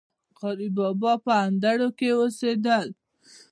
قاري بابا په اندړو کي اوسيدل